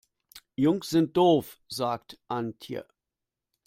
Jungs sind doof, sagt Antje.